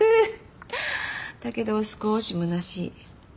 だけど少しむなしい。